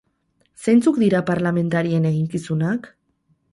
Zeintzuk dira parlamentarien eginkizunak?